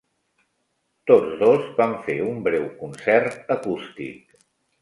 Tots dos van fer un breu concert acústic.